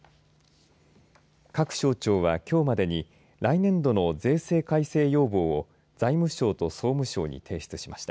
各省庁は、きょうまでに来年度の税制改正要望を財務省と総務省に提出しました。